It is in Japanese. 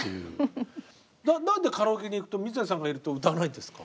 何でカラオケに行くと水谷さんがいると歌わないんですか？